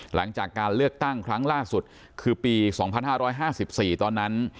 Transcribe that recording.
หลังจากการเลือกตั้งครั้งล่าสุดคือปี๒๕๕๔ตอนนั้น